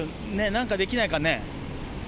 なんかできないかね。